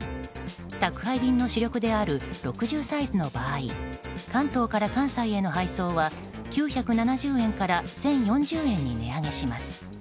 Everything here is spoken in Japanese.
宅配便の主力である６０サイズの場合関東から関西への配送は９７０円から１０４０円に値上げします。